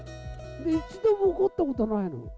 で、一度も怒ったことないの。